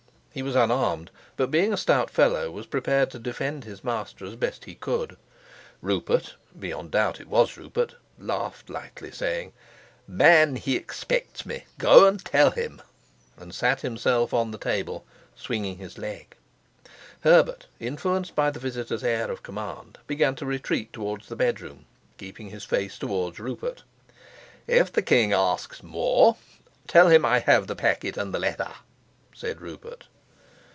He was unarmed, but, being a stout fellow, was prepared to defend his master as best he could. Rupert beyond doubt it was Rupert laughed lightly, saying again, "Man, he expects me. Go and tell him," and sat himself on the table, swinging his leg. Herbert, influenced by the visitor's air of command, began to retreat towards the bedroom, keeping his face towards Rupert. "If the king asks more, tell him I have the packet and the letter," said Rupert.